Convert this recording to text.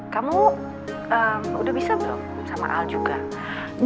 kamu udah bisa belum sama al juga